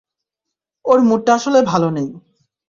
ওর মুডটা আসলে ভালো নেই!